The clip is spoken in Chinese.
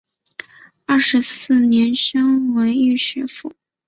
二十四年升为焉耆府。